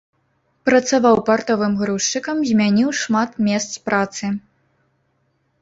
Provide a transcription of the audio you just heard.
Працаваў партовым грузчыкам, змяніў шмат месц працы.